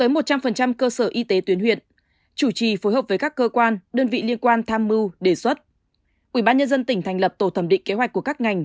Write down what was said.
mưu đề xuất ubnd tỉnh thành lập tổ thẩm định kế hoạch của các ngành